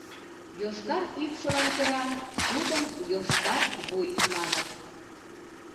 йошкар ӱпшылан кӧра тудым йошкар вуй маныт